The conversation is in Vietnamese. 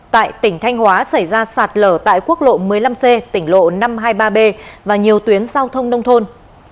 tại tỉnh thanh hóa xảy ra sạt lở tại quốc lộ một mươi năm c tỉnh lộ năm trăm hai mươi ba b và nhiều tuyến giao thông nông thôn